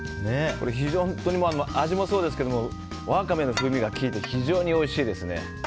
本当に味もそうですがワカメの風味が効いて非常においしいですね。